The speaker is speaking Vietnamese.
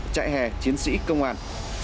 chạy hè chiến sĩ công an